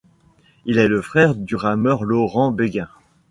Il est le frère du rameur Laurent Béghin.